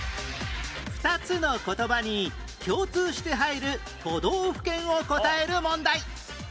２つの言葉に共通して入る都道府県を答える問題